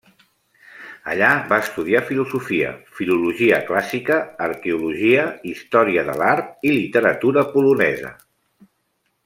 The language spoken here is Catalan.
Allà va estudiar filosofia, filologia clàssica, arqueologia, història de l'art i literatura polonesa.